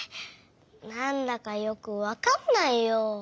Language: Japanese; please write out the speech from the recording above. なんだかよくわかんないよ！